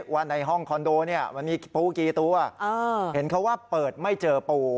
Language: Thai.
ว่าในห้องคอนโดเนี่ยมันมีปูกี่ตัวเห็นเขาว่าเปิดไม่เจอปู